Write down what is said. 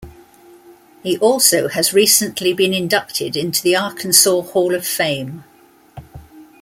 He also has recently been inducted into the Arkansas hall of fame.